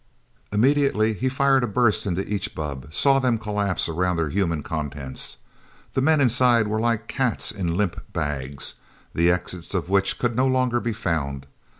Immediately he fired a burst into each bubb, saw them collapse around their human contents. The men inside were like cats in limp bags, the exits of which could no longer be found.